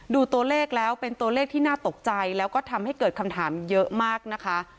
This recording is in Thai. ดูตัวเลขแล้วเป็นตัวเลขที่น่าตกใจแล้วก็ทำให้เกิดคำถามเยอะมากนะคะ